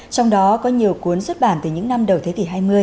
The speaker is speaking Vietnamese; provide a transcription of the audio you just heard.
trong đó có nhiều cuốn xuất bản từ những năm đầu thế kỷ hai mươi